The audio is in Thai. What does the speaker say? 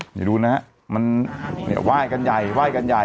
เดี๋ยวดูนะฮะมันเนี่ยไหว้กันใหญ่ไหว้กันใหญ่